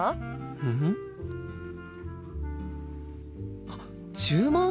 うん？あっ注文？